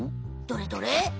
どれどれ？